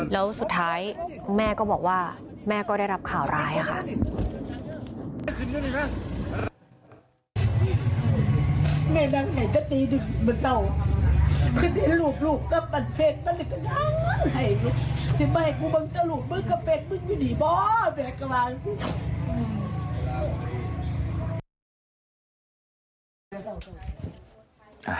แล้วสุดท้ายคุณแม่ก็บอกว่าแม่ก็ได้รับข่าวร้ายค่ะ